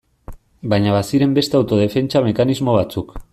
Baina baziren beste autodefentsa mekanismo batzuk.